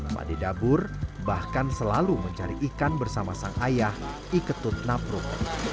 imadidabur bahkan selalu mencari ikan bersama sang ayah iketut naprum